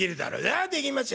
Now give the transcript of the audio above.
「ああできますよ